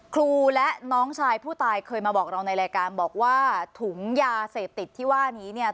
ครูและน้องชายผู้ตายเคยมาบอกเราในรายการบอกว่าถุงยาเสพติดที่ว่านี้เนี่ย